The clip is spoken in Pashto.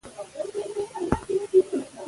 د مالټو موسم په ختمېدو دی